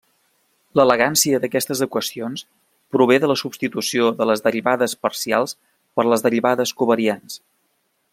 L'elegància d'aquestes equacions prové de la substitució de les derivades parcials per les derivades covariants.